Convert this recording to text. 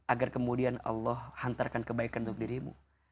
agar kemudian allah hantarkan kebaikan untuk dirimu